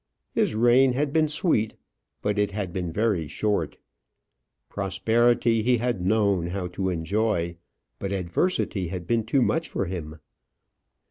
His reign had been sweet, but it had been very short. Prosperity he had known how to enjoy, but adversity had been too much for him.